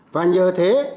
và nhờ thế